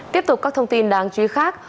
tiếp tục các thông tin đáng chú ý khác